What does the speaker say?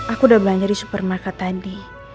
aku udah belanja di supernaka tadi